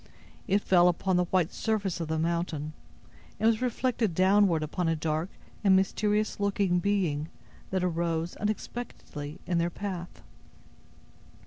It fell upon the white surface of the mountain, and was reflected downward upon a dark and mysterious looking being that arose, unexpectedly, in their path.